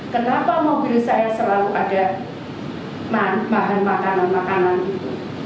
kenapa mobil saya selalu ada bahan makanan makanan itu